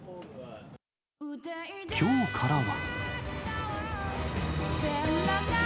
きょうからは。